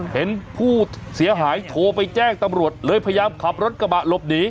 เห็นผู้เสียหายโทรไปแจ้งตำรวจเลยพยายามขับรถกระบะหลบหนี